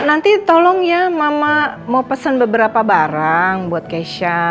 nanti tolong ya mama mau pesen beberapa barang buat keisha